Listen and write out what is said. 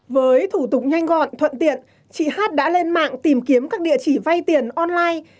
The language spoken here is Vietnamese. với thủ tục nhanh gọn thuận tiện chị hát đã lên mạng tìm kiếm các địa chỉ vay tiền online